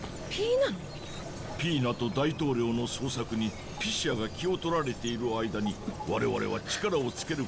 ピイナと大統領の捜索にピシアが気をとられている間に我々は力をつけることができました。